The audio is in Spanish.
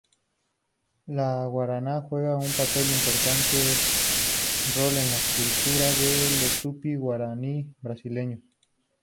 El guaraná juega un importante rol en la cultura de los tupí guaraní brasileños.